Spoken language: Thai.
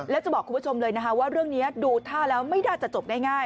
และจะบอกคุณผู้ชมเลยว่าเรื่องนี้ดูท่าแล้วไม่ได้จบง่าย